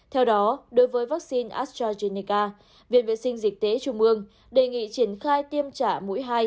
theo đó đối với vaccine astrazeneca viện vệ sinh dịch tế trung ương đề nghị triển khai tiêm trả mũi hai